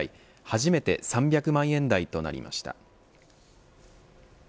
初めて３００万円台となりました。